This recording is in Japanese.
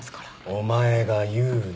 お前が言うな。